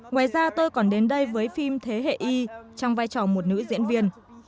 ngoài ra tôi còn đến đây với phim thế hệ y trong vai trò một nữ diễn viên